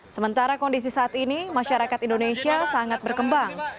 sementara kondisi saat ini masyarakat indonesia sangat berkembang